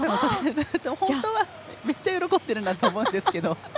本当はめっちゃ喜んでいるんだと思うんですけど。